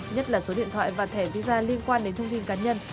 nhất là số điện thoại và thẻ visa liên quan đến thông tin cá nhân